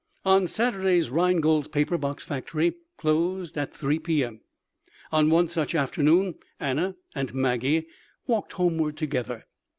On Saturdays Rhinegold's paper box factory closed at 3 P. M. On one such afternoon Anna and Maggie walked homeward together.